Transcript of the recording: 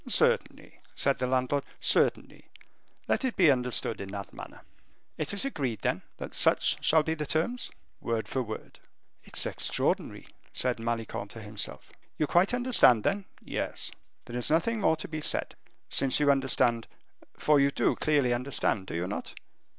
"Certainly," said the landlord, "certainly; let it be understood in that manner." "It is agreed, then, that such shall be the terms?" "Word for word." "It is extraordinary," said Malicorne to himself. "You quite understand, then?" "Yes." "There is nothing more to be said. Since you understand, for you do clearly understand, do you not?"